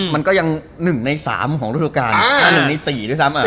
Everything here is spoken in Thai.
มันก็ยัง๑ใน๓ของฤดูการ๕๑ใน๔ด้วยซ้ำ